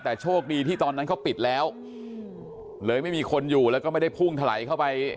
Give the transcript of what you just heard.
แต่โชคดีที่ตอนนั้นเขาปิดแล้วเลยไม่มีคนอยู่แล้วก็ไม่ได้พุ่งถลายเข้าไป